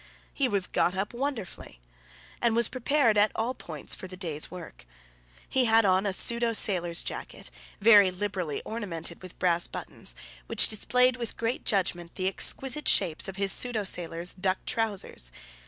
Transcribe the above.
He was got up wonderfully, and was prepared at all points for the day's work. He had on a pseudo sailor's jacket, very liberally ornamented with brass buttons, which displayed with great judgement the exquisite shapes of his pseudo sailor's duck trousers.